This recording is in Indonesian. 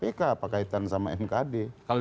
orang yang sedang berbohong itu kan penyidiknya ke mn